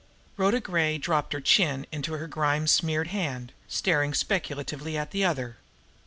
Rhoda Gray dropped her chin in her grime smeared hand, staring speculatively at the other.